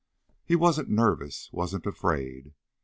He wasn't nervous, wasn't afraid.